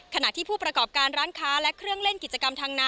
ทำให้ก่อล้านยังคงกลายเป็นสถานที่ท่องเที่ยวที่มีความปลอดภัยสูง